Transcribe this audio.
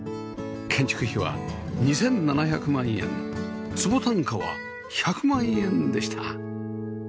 建築費は２７００万円坪単価は１００万円でした